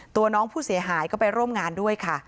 ตัวน้องผู้เสียหายก็ไปร่วมงานด้วยค่ะ